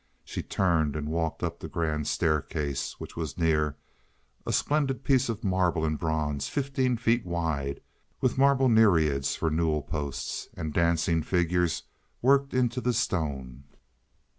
She turned and walked up the grand staircase, which was near—a splendid piece of marble and bronze fifteen feet wide, with marble nereids for newel posts, and dancing figures worked into the stone.